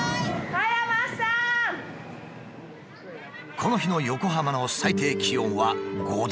この日の横浜の最低気温は５度。